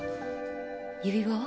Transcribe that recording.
指輪は？